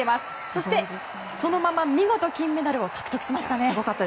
そして、そのまま見事金メダルを獲得しましたね。